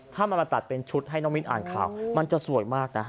ถ้ามันมาตัดเป็นชุดให้น้องมิ้นอ่านข่าวมันจะสวยมากนะ